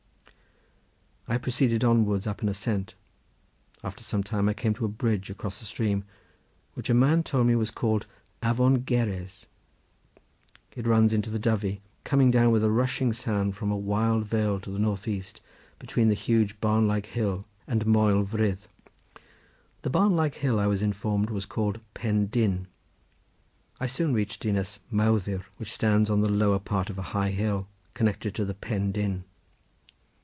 I proceeded onwards up an ascent; after some time I came to a bridge across a stream which a man told me was called Avon Gerres. It runs into the Dyfi, coming down with a rushing sound from a wild vale to the north east between the huge barn like hill and Moel Vrith. The barn like hill I was informed was called Pen Dyn. I soon reached Dinas Mawddwy which stands on the lower part of a high hill connected with the Pen Dyn.